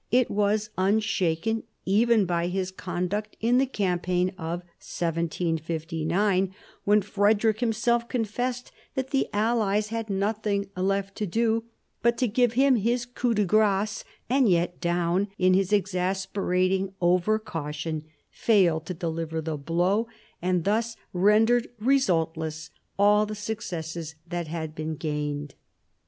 It was unshaken even by his conduct in the campaign of 1759, when Frederick himself confessed that the allies had nothing left to do but to give him his coup de grace, and yet Daun in his exasperating over caution failed to deliver the blow, and thus rendered resultless all the successes that had been gained.